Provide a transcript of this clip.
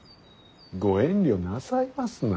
ご遠慮なさいますな。